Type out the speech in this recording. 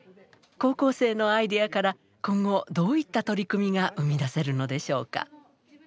高校生のアイデアから今後どういった取り組みが生み出せるのでしょうか。